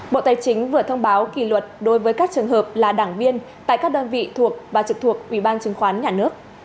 bộ tài chính vừa thông báo kỳ luật đối với các trường hợp là đảng viên tại các đơn vị thuộc và trực thuộc ubnd